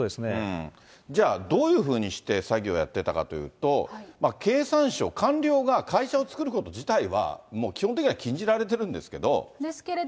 じゃあ、どういうふうにして詐欺をやっていたかというと、経産省官僚が会社を作ること自体は、基本的には禁じられてるんですけど。